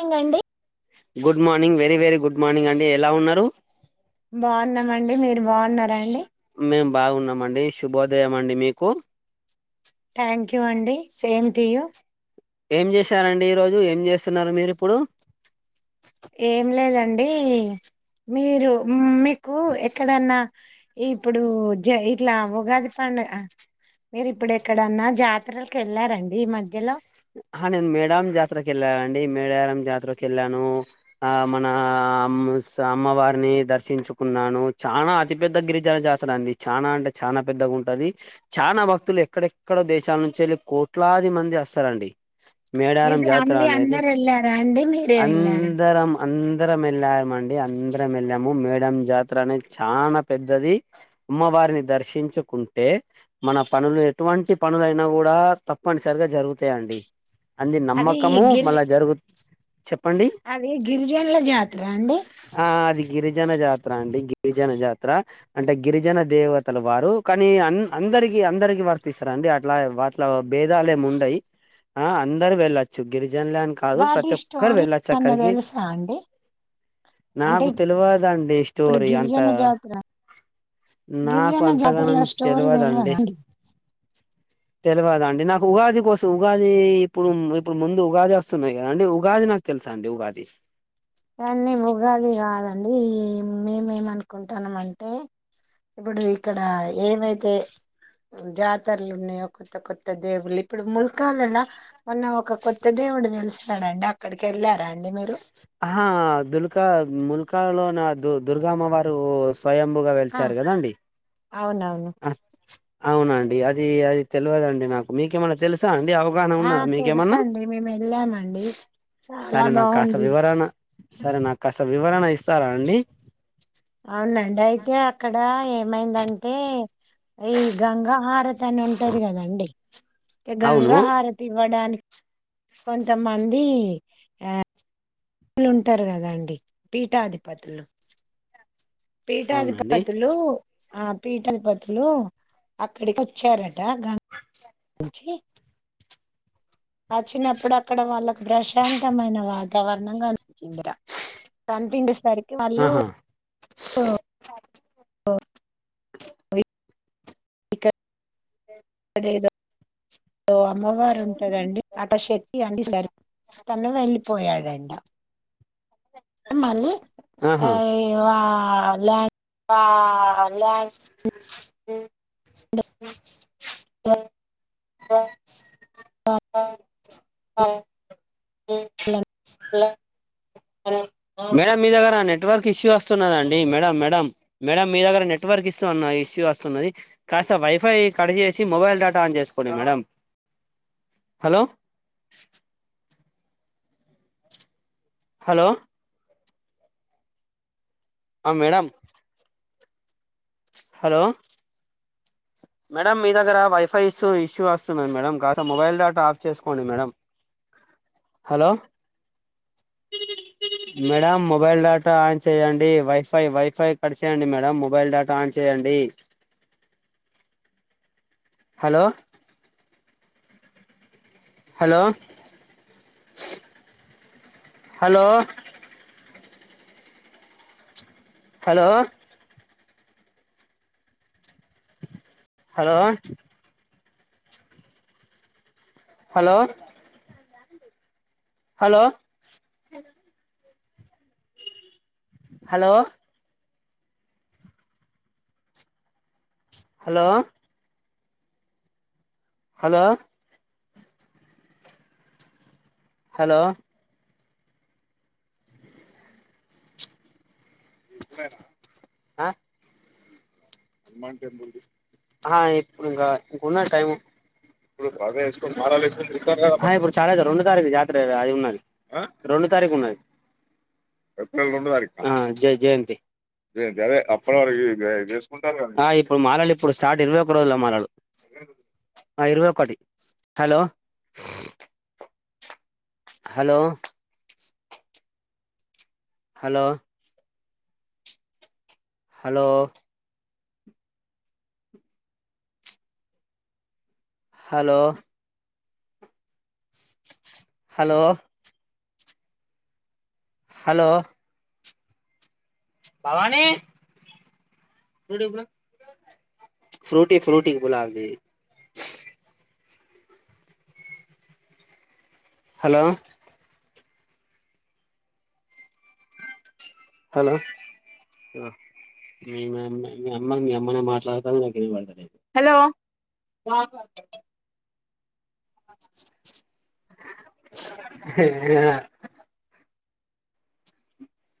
ఏంగండి good morning very very good morning అండి ఎలా ఉన్నారు బాగున్నామండి మీరు బాగున్నారా అండి మేం బాగున్నామండి శుభోదయం అండి మీకు థ్యాంక్ యూ అండి సేమ్ టూయూ ఏం చేశారండి ఈ రోజు ఏం చేస్తున్నారు మీరు ఇప్పుడు ఏ మీరు మీకు ఎక్కడన్నా ఇప్పుడు జ ఇట్లా ఉగాది పండు డగా మీరు ఇప్పుడు ఎక్కడన్నా జాతరకి వెళ్లారండి ఈ మధ్యలో అ ఆహా నేను మేడారం జాతరకు వెళ్ళానుండి మేడారం జాతరకు వెళ్ళాను ఆ మన అమ్మవారిని దర్శించుకున్నాను చాలా అతి పెద్ద గిరిజన జాతర అండి చానా అంటే చానా పెద్దది ఉంటది చాలా భక్తులు ఎక్కడెక్కడో దేశాల నుంచి వెళ్ళి కోట్లాది మంది వస్తారండి మీ మేడారం జాతర ఫ్యామిలీ అనేది అందరు వెళ్ళారా అండి మీరే వెళ్ళారా అందరం అందరం వెళ్ళామండి అందరం వెళ్ళాము మేడారం జాతర అనేది చాల పెద్దది అమ్మవారిని దర్శించుకుంటే మన పనులు ఎటువంటి పనులైనా కూడా తప్పనిసరిగా జరుగుతాయి అండి అది నమ్మకము మళ్ళా జరుగుతాయి చెప్పండి అది గిరిజనుల జాతర అండి ఆ అది గిరిజన జాతర అండి గిరిజన జాతర అంటే గిరిజన దేవతలు వారు కానీ అంద అందరికి అందరికి వర్తిస్తారండి అండి అట్లా అట్ల భేదాలు ఏమి ఉండవు ఆ అందరు వేళ్లచ్చు గిరిజ నులు కాదు వాటి ప్రతి ఒక్కరు స్టోరీ వెళ్ళొచ్చు అన్న అక్కడికి తెలుసా అండి అంటే నాకు తెలువదండి ఇప్పుడు స్టోరీ అంత గిరిజన జాతర నాకు గిరిజన అంతగనం జాతరలో స్టోరీ తెలియదా తెలియదండి అండి తెలియదండి నాకు ఉగాది కోసం ఉగాది ఇప్పుడు ఇప్పుడు ముందు ఉగాది వస్తున్నాయి కదా అంటే ఉగాది నాకు తెలుసఅండి ఉగాది దాన్ని ఉగాది కాదండి మేమేమనుకుంటున్నమంటే ఇప్పుడు ఇక్కడ ఏమైతే జాతరలు ఉన్నాయి కొత్త కొత్త దేవుళ్ళు ఇప్పుడు ముల్కానా లో ఉన్న ఒక కొత్త దేవు డు వెలుస్తాడంట అక్కడికి వెళ్ళారా అండి మీరు ఆ దుల్కా ముల్కానా లో దుర్గామ్మవారు స్వయంభుగా ఆ వెలిచారు కదండి అవునవును అవునండి అది అది తెలియదండి నాకు మీకేమన్నా తెలుసా అండి అవగాహన ఆ ఉన్నదా మీకేమన్నా తెలుసండి మేము వెళ్ళామండి చాలా సరే నాకు బాగుంది కాస్త వివరణ ఇస్తారా అండి అవునండి అయితే అక్కడ ఏమైందంటే ఈ గంగాహార తీ అని ఉంటది కదండి ఇగా అవును గంగాహారతి ఇవ్వడానికి కొంతమంది అ లుంటారు కదండి పీఠాధిపతులు అవునండి పీఠాధిపతులు ఆ పీఠాధిపతులు అక్కడికి వచ్చారట గంగ వచ్చి అచ్చినప్పుడు అక్కడ వాళ్ళకి ప్రశాంతమైన వాతావరణం కాన్పి ఉందిరా కనిపించేసరికి వాళ్ళు ఆహా ఉ ఓ వైఫై ఇక్కడ అదేదో ఓ అమ్మవారు ఉంటారండి అట్ల శక్తి అన్ని సరి తను వెళ్ళిపోయాడంట మళ్ళీ అ ఇ ల్యాండ్ వా ల్యాండ్ మ్మ్ అ అ [inaudible] అ మేడం మీ దగ్గర నెట్వర్క్ ఇష్యూ వస్తున్నదండి మేడం మేడం మేడం మీ దగ్గర నెట్వర్క్ ఇస్తున్నాయి ఇస్యూ వస్తున్నది కాస్త వైఫై కట్ చేసి మొబైల్ డటా ఆన్ చేసుకోండి మేడం హలో హలో ఆ మేడం హలో మేడం మీ దగ్గర వైఫై ఇష్యూ వస్తున్నది మేడం కాస్త మొబైల్ డటా ఆఫ్ చేసుకోండి madam hello madam mobile data on చేయండి వైఫై వైఫై కడిచేయండి మేడం మొబైల్ డేటా ఆన్ చేయ అండి hello hello hello hello hello hello hello hello hello hello hello అ అ ఇప్పుడు ఇంకా ఇంక ఉన్నది టైము అ ఇప్పుడు చాలా జరుగు రెండు తారీఖు జాతర కదా అది ఉన్నది రెండు డు తారీకు ఉన్నది ఆ జై జయంతి అ ఇప్పుడు మాలలు ఇప్పుడు స్టార్ట్ ఇరవై ఒక్క రోజులా మాలలు అ ఇరువై ఒకటి hello hello hello hello hello hello hello Bhavani చూడు ఇప్పుడు ఫ్రూటీ ఫ్రూటీ గులాబీ హలో హలో మీమ్ మీ అమ్మ మీ అమ్మనే మాట్లాడతాంది నాకు ఇనపడతలేదు వా ఆ